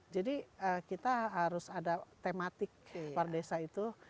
jadi kita harus ada tematik par desa itu